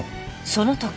そのとき。